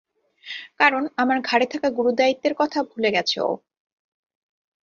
কারণ, আমার ঘাড়ে থাকা গুরুদায়িত্বের কথা ভুলে গেছে ও।